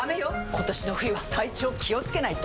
今年の冬は体調気をつけないと！